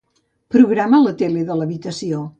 Programa la tele de l'habitació.